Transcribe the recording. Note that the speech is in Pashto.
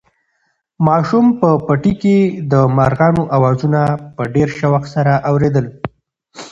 ماشوم په پټي کې د مرغانو اوازونه په ډېر شوق سره اورېدل.